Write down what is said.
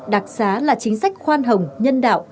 đặc xá là chính sách khoan hồng nhân đạo